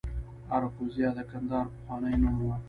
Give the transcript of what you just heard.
اراکوزیا د کندهار پخوانی نوم و